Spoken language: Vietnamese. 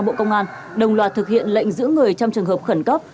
bộ công an đồng loạt thực hiện lệnh giữ người trong trường hợp khẩn cấp